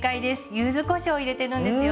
柚子こしょうを入れてるんですよ。